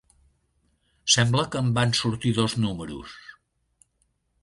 Sembla que en van sortir dos números.